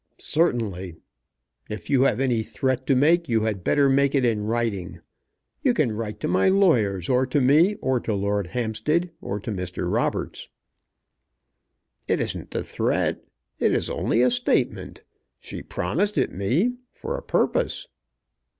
"Certainly. If you have any threat to make, you had better make it in writing. You can write to my lawyers, or to me, or to Lord Hampstead, or to Mr. Roberts." "It isn't a threat. It is only a statement. She promised it me, for a purpose."